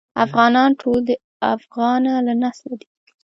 افغانان ټول د افغنه له نسله دي.